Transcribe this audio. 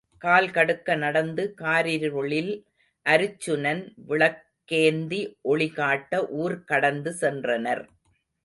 கால் கடுக்க நடந்து காரிருளில் அருச்சுனன் விளக் கேந்தி ஒளி காட்ட ஊர் கடந்து சென்றனர்.